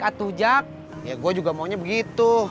ya gue mau nya juga begitu